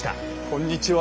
こんにちは。